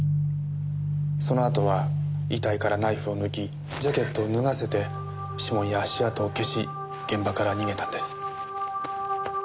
そのあとは遺体からナイフを抜きジャケットを脱がせて指紋や足跡を消し現場から逃げたんです。